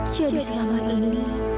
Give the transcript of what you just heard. jadi selama ini